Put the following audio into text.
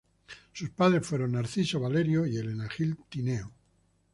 Sus padres fueron Narciso Valerio y Elena Gil Tineo.